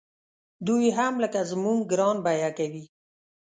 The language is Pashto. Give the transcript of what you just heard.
دوی یې هم لکه زموږ ګران بیه کوي.